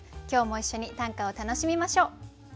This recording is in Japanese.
今日も一緒に短歌を楽しみましょう。